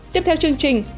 tiếp theo chương trình